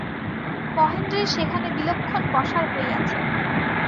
মহেন্দ্রের সেখানে বিলক্ষণ পশার হইয়াছে।